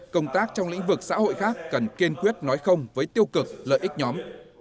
công tác trong lĩnh vực xã hội khác cần kiên quyết nói không với tiêu cực lợi ích nhóm